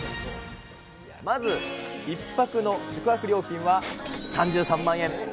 まず１泊の宿泊料金は、３３万円。